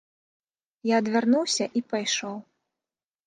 Я адвярнуўся і пайшоў.